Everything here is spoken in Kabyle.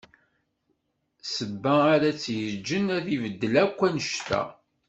Ssebba ara t-yeǧǧen ad ibeddel akk annect-a.